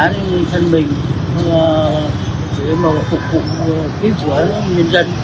để mà phục vụ kiếp của nhân dân